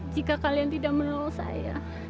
jika kalian tidak menolong saya